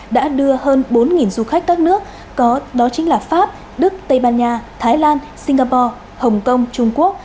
đã đưa hơn bốn du khách các nước có đó chính là pháp đức tây ban nha thái lan singapore hồng kông trung quốc